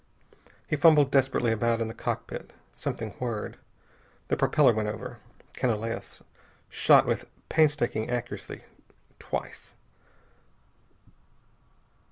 He fumbled desperately about in the cockpit. Something whirred. The propeller went over.... Canalejas shot with painstaking accuracy, twice.